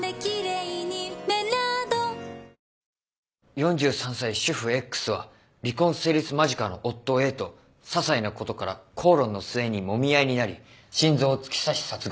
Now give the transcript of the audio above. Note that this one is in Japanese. ４３歳主婦Ｘは離婚成立間近の夫Ａとささいなことから口論の末にもみ合いになり心臓を突き刺し殺害。